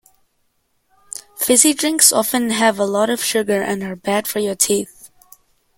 Fizzy drinks often have a lot of sugar and are bad for your teeth